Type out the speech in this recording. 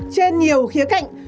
trên nhiều khía cạnh